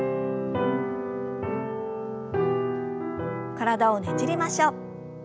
体をねじりましょう。